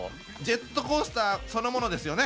ジェットコースターそのものですよね。